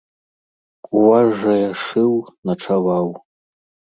У вас жа я шыў, начаваў.!